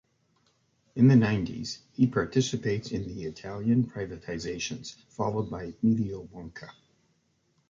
In the nineties, he participates in the Italian privatizations followed by Mediobanca.